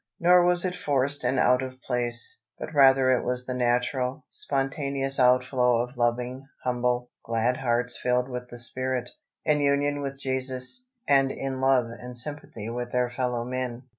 Nor was it forced and out of place, but rather it was the natural, spontaneous outflow of loving, humble, glad hearts filled with the Spirit, in union with Jesus, and in love and sympathy with their fellow men.